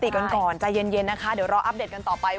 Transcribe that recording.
กันก่อนใจเย็นนะคะเดี๋ยวรออัปเดตกันต่อไป